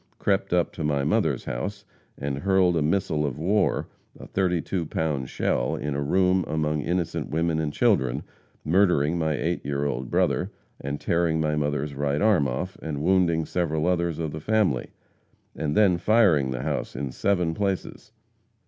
crept up to my mother's house and hurled a missile of war (a 32 pound shell) in a room among innocent women and children, murdering my eight year old brother and tearing my mother's right arm off, and wounding several others of the family, and then firing the house in seven places.